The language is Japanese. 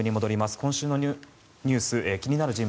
今週のニュース気になる人物